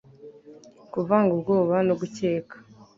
kuvanga ubwoba no gukeka